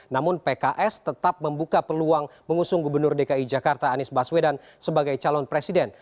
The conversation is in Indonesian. namun pks tetap membuka peluang mengusung gubernur dki jakarta anies baswedan sebagai calon presiden